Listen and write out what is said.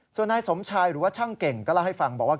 ส่วนนายสมชายหรือว่าช่างเก่งก็เล่าให้ฟังบอกว่า